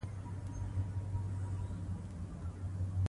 شاهانو یې غم نه دی کړی.